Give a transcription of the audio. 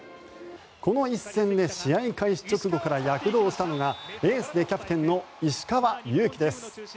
この一戦で試合開始直後から躍動したのがエースでキャプテンの石川祐希です。